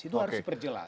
itu harus diperjelas